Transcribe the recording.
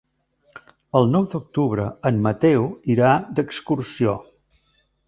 El nou d'octubre en Mateu irà d'excursió.